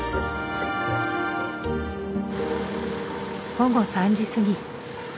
午後３時過ぎ。